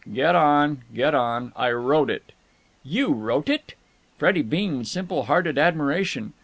"Get on! Get on! I wrote it." "You wrote it?" Freddie beamed simple hearted admiration.